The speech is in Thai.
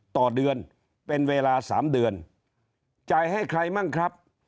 ต่อเดือนเป็นเวลา๓เดือนจ่ายให้ใครมั่งครับ